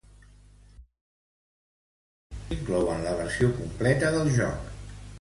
Les dos expansions inclouen la versió completa del joc.